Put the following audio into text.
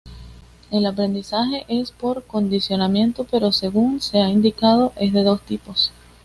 El aprendizaje es por condicionamiento, pero según se ha indicado es de dos tipos.